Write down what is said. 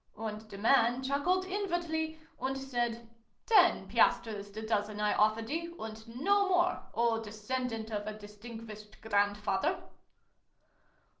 "And the Man chuckled inwardly, and said ' Ten piastres the dozen I offer thee, and no more, oh descendant of a distinguished grand father